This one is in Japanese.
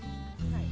はい。